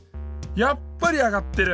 やっぱりあがってる！